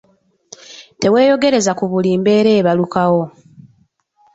Teweeyogereza ku buli mbeera ebalukawo.